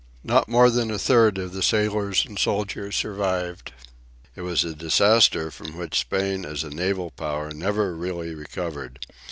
Not more than a third of the sailors and soldiers survived. It was a disaster from which Spain as a naval power never really recovered.